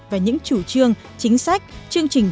và những chủ trương chính sách chương trình